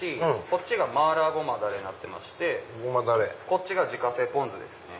こっちが麻辣ごまダレになってましてこっちが自家製ポン酢ですね。